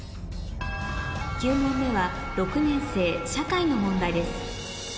９問目は６年生社会の問題です